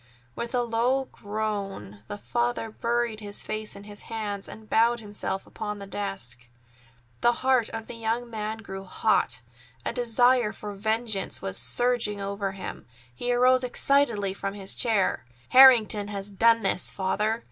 With a low groan the father buried his face in his hands and bowed himself upon the desk. The heart of the young man grew hot. A great desire for vengeance was surging over him. He arose excitedly from his chair. "Harrington has done this, father!"